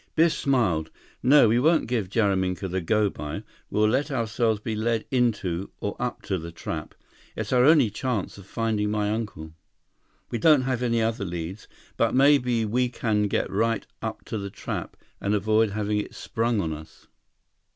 114 Biff smiled. "No, we won't give Jaraminka the 'go by.' We'll let ourselves be led into—or up to the trap. It's our only chance of finding my uncle. We don't have any other leads. But maybe we can get right up to the trap and avoid having it sprung on us."